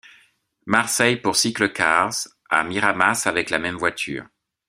Marseille pour cyclecars, à Miramas, avec la même voiture.